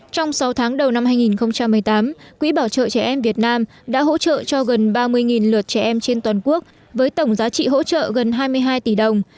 trong sáu tháng đầu năm hai nghìn một mươi tám quỹ bảo trợ trẻ em việt nam đã hỗ trợ cho gần ba mươi lượt trẻ em trên toàn quốc với tổng giá trị hỗ trợ gần hai mươi hai tỷ đồng